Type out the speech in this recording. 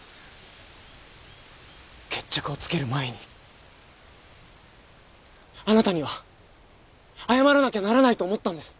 決着をつける前にあなたには謝らなきゃならないと思ったんです。